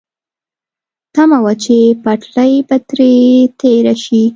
تمه وه چې پټلۍ به ترې تېره شي.